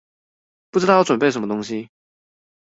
不知道要準備什麼東西